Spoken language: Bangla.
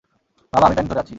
বাবা, আমি প্যান্ট ধরে আছি!